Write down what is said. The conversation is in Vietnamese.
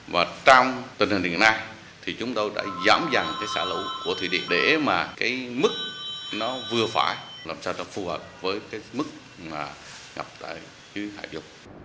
và trong tình hình hiện nay chúng tôi đã giảm dặn xả lũ của thủy điện để mức vừa phải làm sao phù hợp với mức ngập tại hạ du